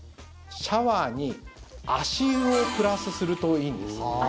シャワーに足湯をプラスするといいんです。